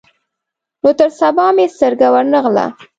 نو تر سبا مې سترګه ور نه غله.